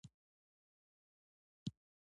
تاریخ د خپل ولس د زړه خبره کوي.